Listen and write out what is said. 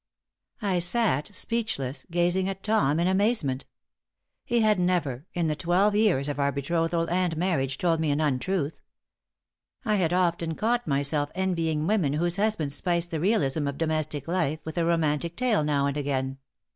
I sat speechless, gazing at Tom in amazement. He had never, in the twelve years of our betrothal and marriage, told me an untruth. I had often caught myself envying women whose husbands spiced the realism of domestic life with a romantic tale now and again.